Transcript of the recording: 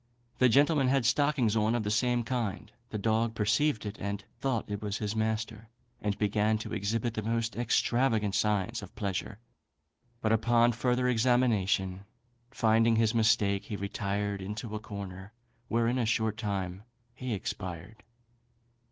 The gentleman had stockings on of the same kind. The dog perceived it, and thought it was his master, and began to exhibit the most extravagant signs of pleasure; but upon further examination finding his mistake, he retired into a corner, where in a short time he expired."